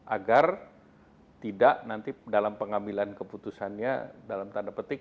agar tidak nanti dalam pengambilan keputusannya dalam tanda petik